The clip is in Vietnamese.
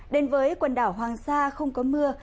đến với quần đảo hoàng sa không có mưa